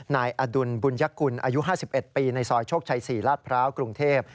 นายอดุลบุญยกุลอายุ๕๑ปีในซอยโชคชัย๔ลาดพร้าวกรุงเทพ